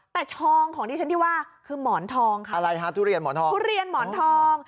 แต่ทองของดิฉันที่ว่าคือหมอนทองค่ะอะไรฮะทุเรียนหมอนทองทุเรียนหมอนทอง